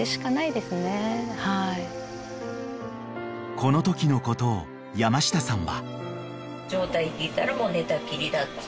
［このときのことを山下さんは］